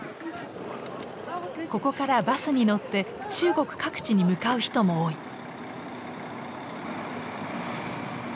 ここからバスに乗って中国各地に向かう人も多い。